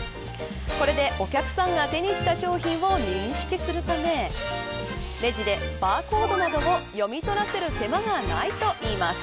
これでお客さんが手にした商品を認識するためレジでバーコードなどを読み取らせる手間がないといいます。